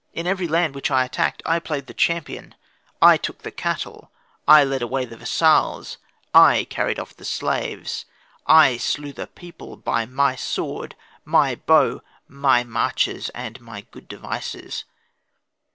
In every land which I attacked I played the champion, I took the cattle, I led away the vassals, I carried off the slaves, I slew the people, by my sword, my bow, my marches and my good devices.